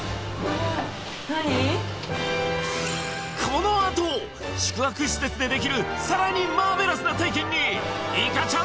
このあと宿泊施設でできるさらにマーベラスな体験にいかちゃん